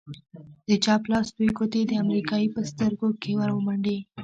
د چپ لاس دوې گوتې يې د امريکايي په سترگو کښې ورومنډې.